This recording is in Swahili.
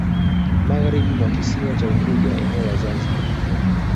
Magharibi mwa kisiwa cha Unguja eneo la Zanzibar